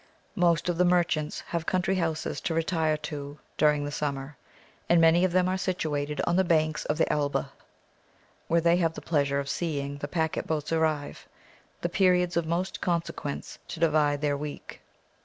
Most of the merchants have country houses to retire to during the summer; and many of them are situated on the banks of the Elbe, where they have the pleasure of seeing the packet boats arrive the periods of most consequence to divide their week.